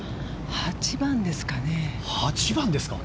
８番ですかね。